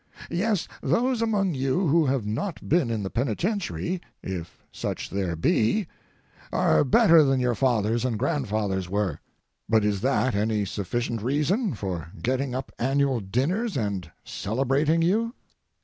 Yes, those among you who have not been in the penitentiary, if such there be, are better than your fathers and grandfathers were; but is that any sufficient reason for getting up annual dinners and celebrating you?